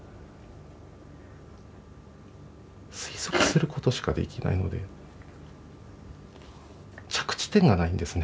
推測することしかできないので着地点がないんですね